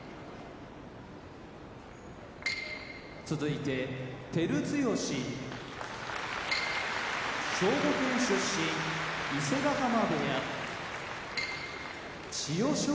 柝きの音照強兵庫県出身伊勢ヶ濱部屋千代翔